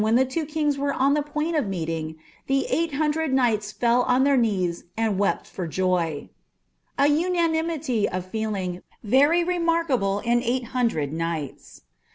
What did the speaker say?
he two kings were on ihe point of meeting, the eight hundred knights fell on llieir knees and wept for joy" — a unanimity of feeling »ery re markable in eight hundred knights.